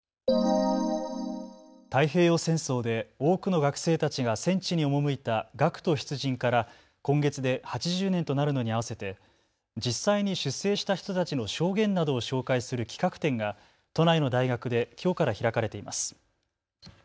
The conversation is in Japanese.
太平洋戦争で多くの学生たちが戦地に赴いた学徒出陣から今月で８０年となるのに合わせて実際に出征した人たちの証言などを紹介する企画展が都内の大学できょうから開かれています。